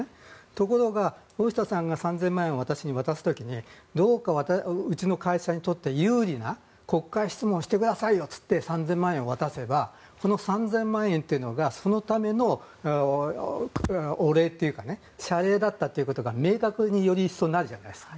ところが、大下さんが３０００万円を私に渡す時にどうかうちの会社にとって有利な国会質問をしてくださいよと言って３０００万円を渡せばこの３０００万円というのがそのためのお礼というか謝礼だったということがより一層、明確になるわけです。